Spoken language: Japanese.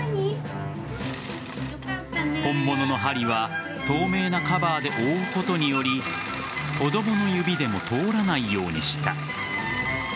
本物の針は透明なカバーで覆うことにより子供の指でも通らないようにした。